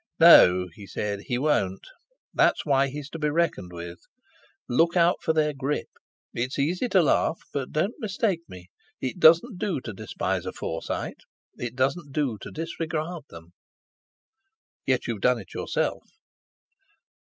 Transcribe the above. "No," he said; "he won't. That's why he's to be reckoned with. Look out for their grip! It's easy to laugh, but don't mistake me. It doesn't do to despise a Forsyte; it doesn't do to disregard them!" "Yet you've done it yourself!"